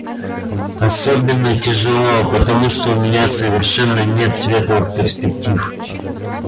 Особенно тяжело потому, что у меня совершенно нет светлых перспектив.